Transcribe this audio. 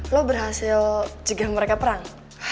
lo berhasil cegah mereka perang